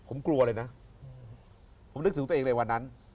ผมกลัวเลยนะผมนึกถึงตัวเองในวันนั้น